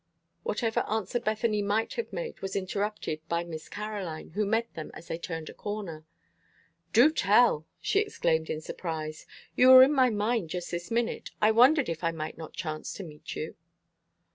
Whatever answer Bethany might have made was interrupted by Miss Caroline, who met them as they turned a corner. "Do tell!" she exclaimed in surprise. "You were in my mind just this minute. I wondered if I might not chance to meet you."